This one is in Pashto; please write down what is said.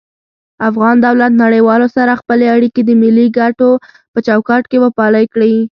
افغان دولت نړيوالو سره خپلی اړيکي د ملي کټو په چوکاټ کي وپالی کړي